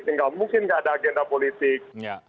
enggak mungkin enggak ada agenda politik